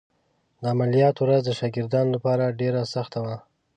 د عملیات ورځ د شاګردانو لپاره ډېره سخته وه.